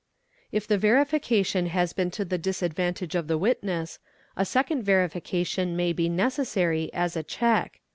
If the verification has been to the disadvantage of the witness, a second verification may be necessary as a check.